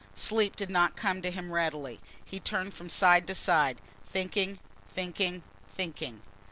Sleep did not come to him readily. He turned from side to side, thinking, thinking, thinking.